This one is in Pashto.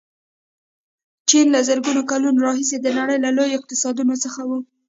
چین له زرګونو کلونو راهیسې د نړۍ له لویو اقتصادونو څخه و.